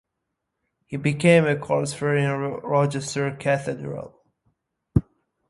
He became a chorister in Rochester Cathedral.